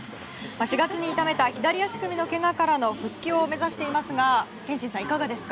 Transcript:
４月に痛めた左足のけがからの復帰を目指していますが憲伸さん、いかがですか？